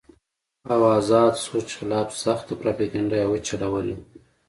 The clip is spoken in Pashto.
او ازاد سوچ خلاف سخته پراپېګنډه اوچلوله